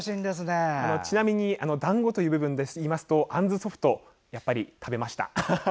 ちなみにだんごという部分で言いますとあんずソフトやっぱり食べました。